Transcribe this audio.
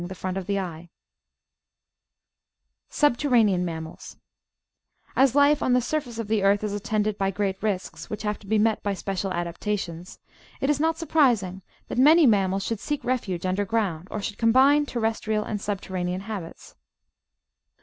Themoleii Natural Histoty 461 Subterranean Mammals As life on the surfax^e of the earth is attended by great risks, which have to be met by special adaptations, it is not sur prising that many mammals should seek refuge underground or should combine terrestrial and subterranean habits.